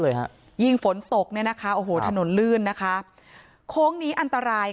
ฮะยิ่งฝนตกเนี่ยนะคะโอ้โหถนนลื่นนะคะโค้งนี้อันตรายค่ะ